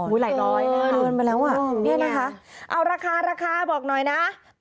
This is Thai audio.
อุ๊ยหลายร้อยหลายร้อยมาแล้วอ่ะนี่นะคะเอาราคาราคาบอกหน่อยนะ